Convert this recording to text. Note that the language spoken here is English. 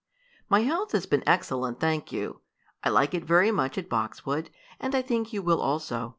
"My health has been excellent, thank you. I like it very much at Boxwood, and I think you will also.